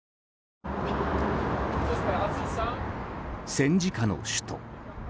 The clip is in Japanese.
戦時下の首都。